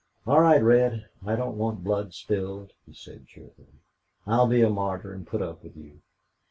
"All right, Red. I don't want blood spilled," he said, cheerfully. "I'll be a martyr and put up with you....